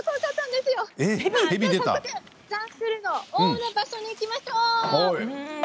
ではジャングルの王の場所に行きましょう。